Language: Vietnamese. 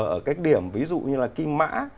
ở cái điểm ví dụ như là kim mai